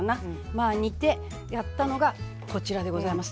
まあ煮てやったのがこちらでございます。